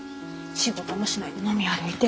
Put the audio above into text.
仕事もしないで飲み歩いて。